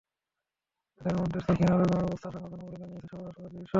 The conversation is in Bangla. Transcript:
তাঁদের মধ্যে সখিনা বেগমের অবস্থা আশঙ্কাজনক বলে জানিয়েছেন সদর হাসপাতালের চিকিৎসক।